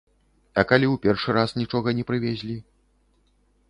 А калі ў першы раз нічога не прывезлі?